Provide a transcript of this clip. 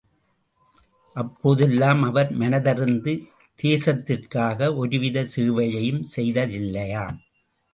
அப்போதெல்லாம் அவர் மனதறிந்து தேசத்திற்காக ஒருவிதச் சேவையும் செய்ததில்லையாம்.